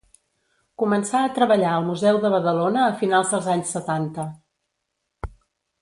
Començà a treballar al Museu de Badalona a finals dels anys setanta.